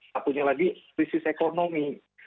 satunya lagi krisis ekonomi